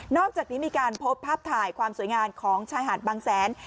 อกจากนี้มีการพบภาพถ่ายความสวยงามของชายหาดบางแสน